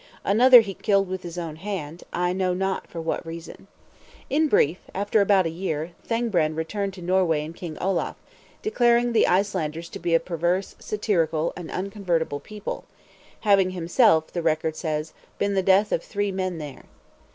Another he killed with his own hand, I know not for what reason. In brief, after about a year, Thangbrand returned to Norway and king Olaf; declaring the Icelanders to be a perverse, satirical, and inconvertible people, having himself, the record says, "been the death of three men there."